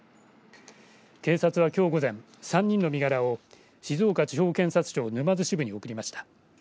警察はきょう午前３人の身柄を静岡地方検察庁沼津支部に送りました。